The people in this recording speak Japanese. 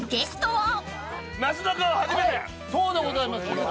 はいそうでございます。